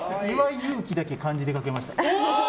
勇気だけ漢字で書けました。